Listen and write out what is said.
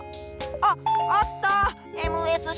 あっあった！